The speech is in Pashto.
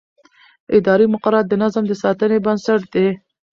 اداري مقررات د نظم د ساتنې بنسټ دي.